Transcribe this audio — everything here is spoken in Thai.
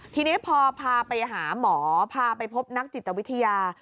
ทีนี้พอพาไปหาหมอพาไปพบนักจิตวิทยา